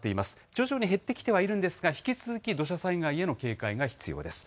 徐々に減ってきてはいるんですが、引き続き土砂災害への警戒が必要です。